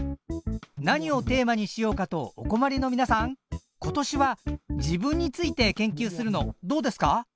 何をテーマにしようかとお困りのみなさん今年は自分について研究するのどうですか？